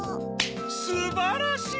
すばらしい！